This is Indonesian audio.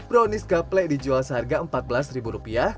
brownies gaplek dijual seharga empat belas rupiah